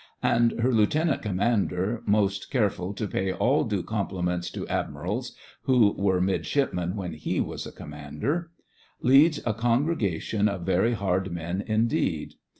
And her Lieutenant Commander, most careful to pay all due compliments to Admirals who were midshipmen when he was a Commander, leads a congregation of very hard men indeed.